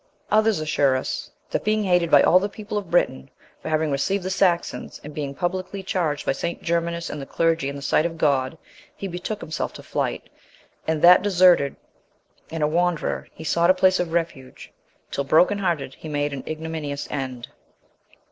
Others assure us, that being hated by all the people of Britain, for having received the Saxons, and being publicly charged by St. Germanus and the clergy in the sight of God, he betook himself to flight; and, that deserted and a wanderer, he sought a place of refuge, till broken hearted, he made an ignominious end.